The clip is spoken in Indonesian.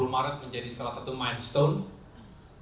dua puluh maret menjadi salah satu mindstone